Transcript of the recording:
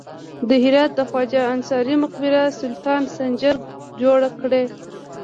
د هرات د خواجه انصاري مقبره د سلطان سنجر جوړه کړې